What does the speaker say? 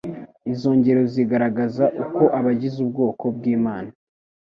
Izo ngero zigaragaza uko abagize ubwoko bw'Imana